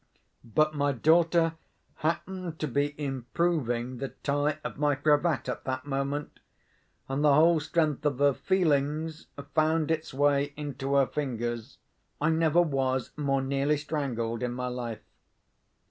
But my daughter happened to be improving the tie of my cravat at that moment, and the whole strength of her feelings found its way into her fingers. I never was more nearly strangled in my life.